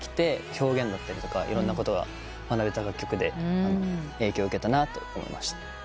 表現だったりいろんなことが学べた楽曲で影響を受けたなと思いました。